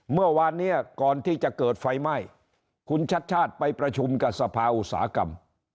เมื่อวานนี้ก่อนที่จะเกิดไฟไหม้คุณชัดชาติไปประชุมกับสภาอุตสาหกรรม